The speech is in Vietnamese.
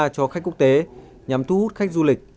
cho khách quốc tế nhằm thu hút khách du lịch